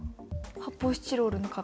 発泡スチロールの壁。